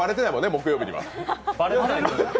木曜日には。